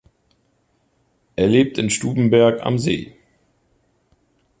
Er lebt in Stubenberg am See.